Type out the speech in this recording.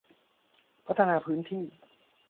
พัฒนาพื้นที่